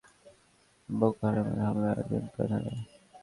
লরিতে করে বাগায় ফেরার পথে বোকো হারামের হামলায় আটজন প্রাণ হারায়।